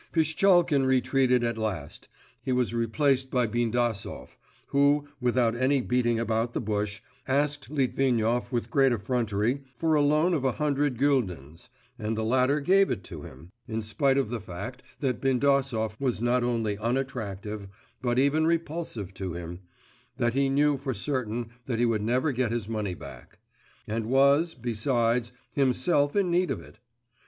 Pishtchalkin retreated at last; he was replaced by Bindasov, who, without any beating about the bush, asked Litvinov with great effrontery for a loan of a hundred guldens, and the latter gave it him, in spite of the fact that Bindasov was not only unattractive, but even repulsive to him, that he knew for certain that he would never get his money back; and was, besides, himself in need of it.